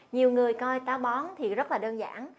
nhiều người coi táo bón thì rất là đơn giản